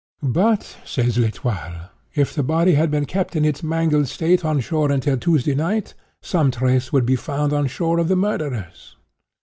"'But,' says L'Etoile, 'if the body had been kept in its mangled state on shore until Tuesday night, some trace would be found on shore of the murderers.